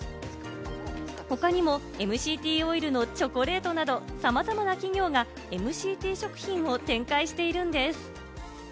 他にもＭＣＴオイルのチョコレートなど、さまざまな企業がＭＣＴ食品を展開しているんです。